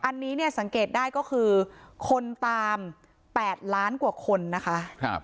อันนี้เนี่ยสังเกตได้ก็คือคนตาม๘ล้านกว่าคนนะคะ